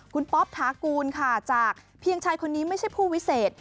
คุณป๊อปฐากูลค่ะจากเพียงชายคนนี้ไม่ใช่ผู้วิเศษ